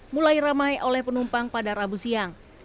mulai ramai oleh penumpang pada rabu siang